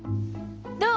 どう？